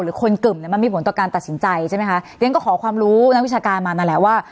คนกึ่มเนี่ยมันมีผลต่อการตัดสินใจใช่ไหมคะเรียนก็ขอความรู้นักวิชาการมานั่นแหละว่า